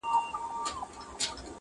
او کور چوپ پاته کيږي،